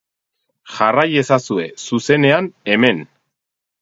Jarrai ezazue, zuzenean, hemen.